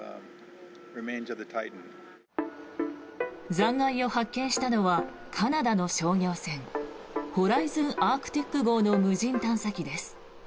残骸を発見したのはカナダの商業船「ホライズン・アークティック号」の無人探査機です。